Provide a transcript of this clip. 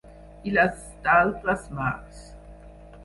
I les d'altres mars.